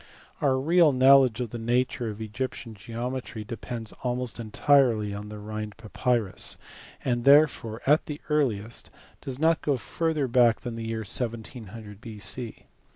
Our real knowledge of the nature of Egyptian geometry depends almost entirely on the Rhirid papyrus, and therefore at the earliest does not go further back than the year 1700 B.C.